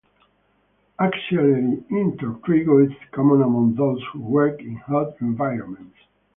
Axillary intertrigo is common among those who work in hot environments.